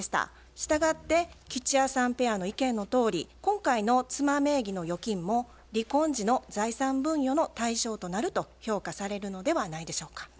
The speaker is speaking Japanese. したがって吉弥さんペアの意見のとおり今回の妻名義の預金も離婚時の財産分与の対象となると評価されるのではないでしょうか。